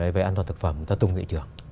về an toàn thực phẩm người ta tung vào thị trường